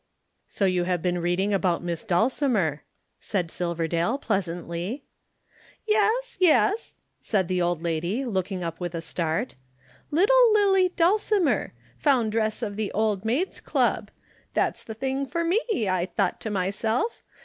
"So you have been reading about Miss Dulcimer!" said Silverdale pleasantly. "Yes, yes," said the old lady, looking up with a start. "Little Lillie Dulcimer. Foundress of the Old Maids' Club. That's the thing for me, I thought to myself.